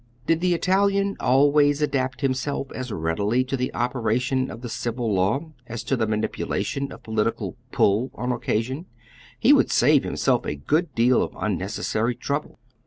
Did tbe Italian always adapt himself as readily to tbe operation of tbe civil law as to the manipulation of polit ical "pull" on occasion, he wonld save himself a good deal of unnecessary trouble.